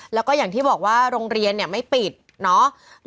แล้วก็อย่างที่บอกว่าโรงเรียนเนี่ยไม่ปิดเนาะ